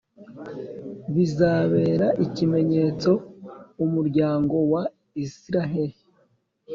Bizabera ikimenyetso umuryango wa Israheli